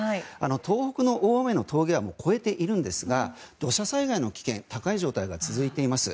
東北の大雨の峠はもう越えているんですが土砂災害の危険高い状態が続いています。